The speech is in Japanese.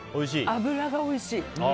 脂がおいしい！